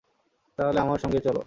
তাহলে আমার সঙ্গে চলো।